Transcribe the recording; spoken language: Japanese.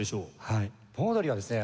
はい盆踊りはですね